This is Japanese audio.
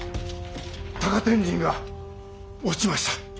高天神が落ちました。